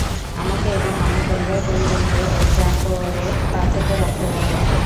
আমাকে এবং আমার পরিবার-পরিজনকে, ওরা যা করে তা থেকে রক্ষা কর।